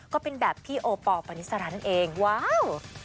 ก็เป็นแบบพี่โอปอลปานิสรันดิ์เองว้าว